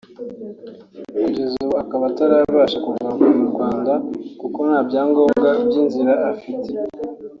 kugeza ubu akaba atarabasha kugaruka mu Rwanda kuko nta byangombwa by’inzira afite